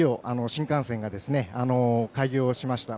新幹線が開業しました。